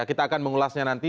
kita akan mengulasnya nanti